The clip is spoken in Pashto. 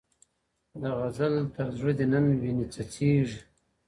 د غزل تر زړه دي نن ویني څڅېږي .